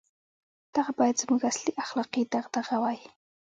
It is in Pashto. • دغه باید زموږ اصلي اخلاقي دغدغه وای.